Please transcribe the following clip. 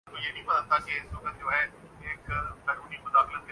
روایت کے الفاظ ہیں